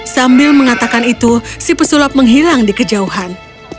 sambil mengatakan itu si pesulap menghilang di kejauhan